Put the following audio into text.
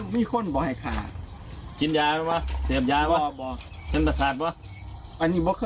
มีประสานป่ะมีกินยาประสานเจ้าเทียบว่าค่ะ